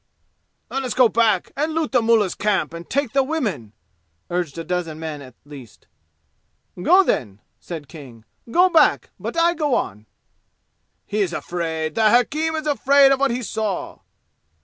"Let us go back and loot the mullah's camp and take the women!" urged a dozen men at least. "Go then!" said King. "Go back! But I go on!" "He is afraid! The hakim is afraid of what he saw!"